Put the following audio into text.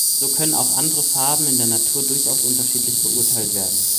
So können auch andere Farben in der Natur durchaus unterschiedlich beurteilt werden.